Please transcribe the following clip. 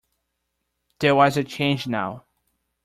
There was a change now.